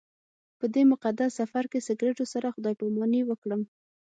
په دې مقدس سفر کې سګرټو سره خدای پاماني وکړم.